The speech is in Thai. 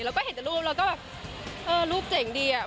แล้วก็เห็นแต่รูปเราก็แบบเออรูปเจ๋งดีอะ